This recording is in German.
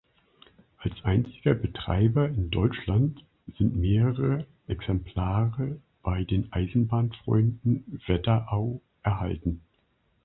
Als einziger Betreiber in Deutschland sind mehrere Exemplare bei den Eisenbahnfreunden Wetterau erhalten.